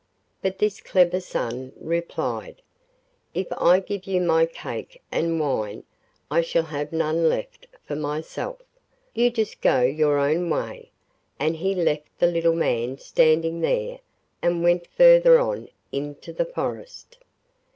But this clever son replied: 'If I give you my cake and wine I shall have none left for myself; you just go your own way;' and he left the little man standing there and went further on into the forest.